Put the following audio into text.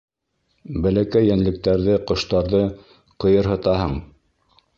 Бәләкәй йәнлектәрҙе, ҡоштарҙы ҡыйырһытаһың!